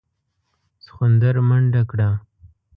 سخوندر منډه کړه.